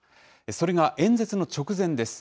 それが演説の直前です。